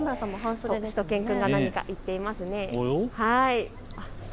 しゅと犬くんが何か言っていますね。